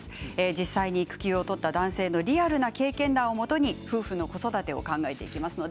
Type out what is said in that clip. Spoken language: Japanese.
実際に育休を取った男性のリアルな経験談をもとに夫婦の子育てを考えていきます。